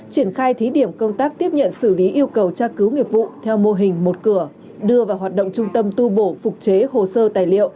triển khai thí điểm công tác tiếp nhận xử lý yêu cầu tra cứu nghiệp vụ theo mô hình một cửa đưa vào hoạt động trung tâm tu bổ phục chế hồ sơ tài liệu